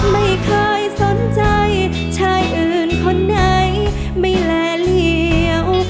ไม่เคยสนใจชายอื่นคนไหนไม่แลเหลี่ยว